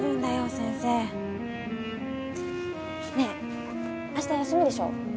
先生ねえ明日休みでしょ？